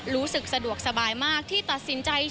รู้สึกสะดวกสบายมากที่ตัดสินใจ